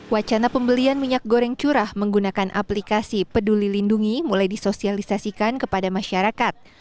wacana pembelian minyak goreng curah menggunakan aplikasi peduli lindungi mulai disosialisasikan kepada masyarakat